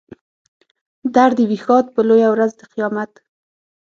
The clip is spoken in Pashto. در دې وي ښاد په لویه ورځ د قیامت.